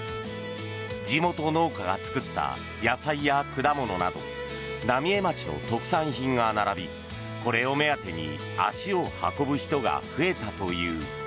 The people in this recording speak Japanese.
地元農家が作った野菜や果物など浪江町の特産品が並びこれを目当てに足を運ぶ人が増えたという。